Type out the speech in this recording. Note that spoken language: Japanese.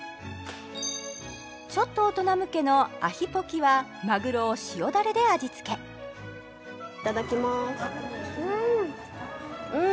ちょっと大人向けのアヒポキはマグロを塩ダレで味付けいただきますうーん！